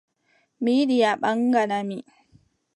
Mi yiɗi a ɓaŋgana mi.